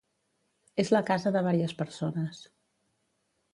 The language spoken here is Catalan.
És la casa de vàries persones.